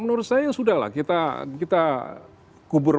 menurut saya sudah lah kita kita kubur